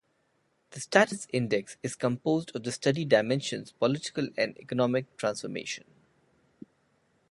The Status Index is composed of the study dimensions Political and Economic Transformation.